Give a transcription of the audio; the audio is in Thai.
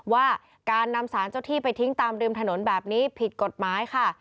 ว่าการนำสารเจ้าที่ไปทิ้งตามริมถนนแบบนี้ผิดกฎหมายค่ะ